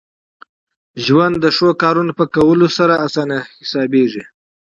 ژوند د ښو کارونو په کولو سره اسانه حسابېږي.